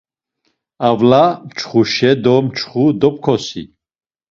Avla mçxuşe do mçxu dopkosi.